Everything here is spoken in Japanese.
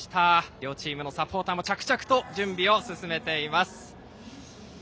両チームのサポーターも着々と準備を進めています。